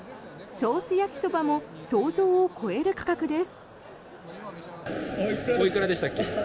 ソース焼きそばも想像を超える価格です。